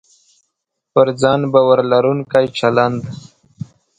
پر ځان باور لرونکی چلند